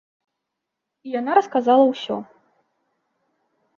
І яна расказала ўсё.